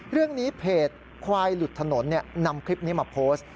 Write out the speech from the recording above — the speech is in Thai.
เรื่องนี้เพจควายหลุดถนนนำคลิปนี้มาโพสต์